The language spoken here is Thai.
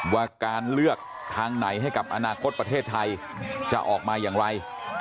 ว่าการเลือกทางไหนให้กับอนาคตประเทศไทยจะออกมาอย่างไร